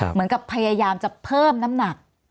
เหมือนกับพยายามจะเพิ่มน้ำหนัก